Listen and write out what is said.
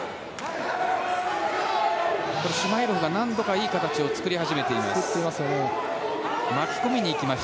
シュマイロフが何度かいい形を作り始めています。